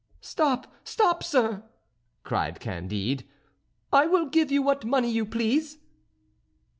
"Stop! stop! sir," cried Candide. "I will give you what money you please."